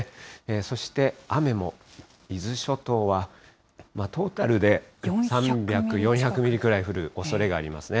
そして、雨も伊豆諸島はトータルで３００、４００ミリぐらい降るおそれがありますね。